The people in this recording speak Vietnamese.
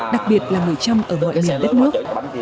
đặc biệt là người trăm ở mọi miền đất nước